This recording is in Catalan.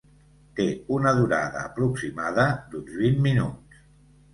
Té una durada aproximada d’uns vint minuts.